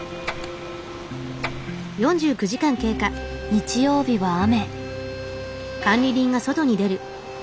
日曜日は雨。